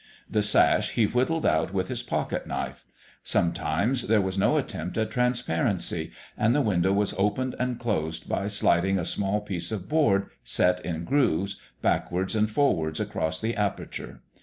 The sash he whittled out with his pocket knife. Sometimes there was no attempt at transparency; and the window was opened and closed by sliding a small piece of board, set in grooves, backwards and forwards across the aperture.